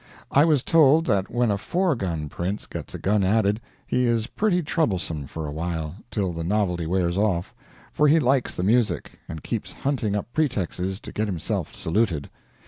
I was told that when a four gun prince gets a gun added, he is pretty troublesome for a while, till the novelty wears off, for he likes the music, and keeps hunting up pretexts to get himself saluted.